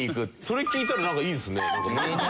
それ聞いたらなんかいいですね。